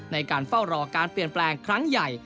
ในการเฝ้ารอการเปลี่ยนแปลงครั้งใหญ่